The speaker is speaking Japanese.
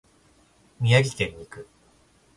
宮城県に行く。